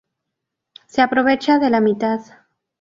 Se aprovecha de la mitad.